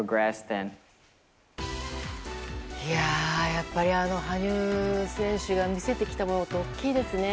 やっぱり、あの羽生選手が見せてきたものって大きいですね。